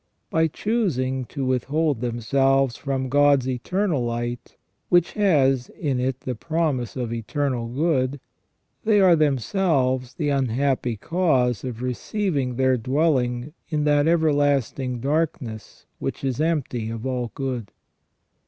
By choosing to withhold themselves from God's eternal light, which has in it the promise of eternal good, they are them selves the unhappy cause of receiving their dwelling in that ever lasting darkness which is empty of all good.